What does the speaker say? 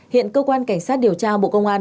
hiện cơ quan cảnh sát điều tra bộ công an